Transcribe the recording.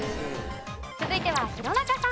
続いては弘中さん。